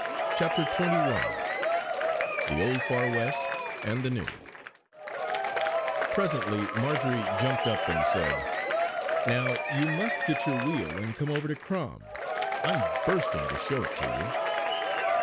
CHAPTER XXI THE OLD FAR WEST AND THE NEW Presently Marjory jumped up and said: "Now you must get your wheel and come over to Crom. I am burning to show it to you!"